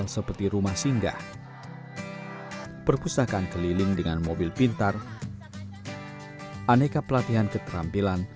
seperti rumah singgah perpustakaan keliling dengan mobil pintar aneka pelatihan keterampilan